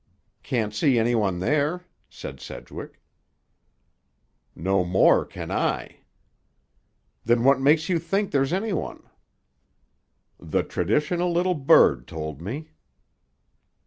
"Can't see any one there," said Sedgwick. "No more can I." "Then what makes you think there's any one?" "The traditional little bird told me."